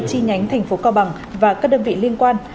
chi nhánh thành phố cao bằng và các đơn vị liên quan